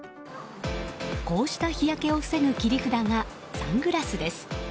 こうした日焼けを防ぐ切り札がサングラスです。